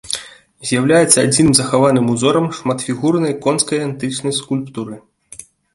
З'яўляецца адзіным захаваным узорам шматфігурнай конскай антычнай скульптуры.